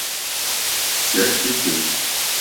C'est tricher.